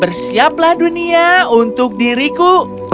bersiaplah dunia untuk diriku